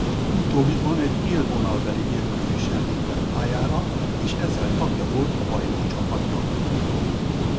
Utóbbiban egy élvonalbeli mérkőzésen lépett pályára és ezzel tagja volt a bajnokcsapatnak.